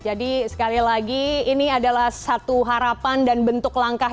jadi sekali lagi ini adalah satu harapan dan bentuk langkah